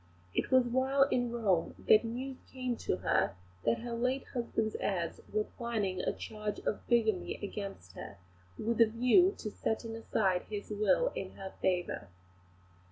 It was while in Rome that news came to her that her late husband's heirs were planning a charge of bigamy against her, with a view to setting aside his will in her favour.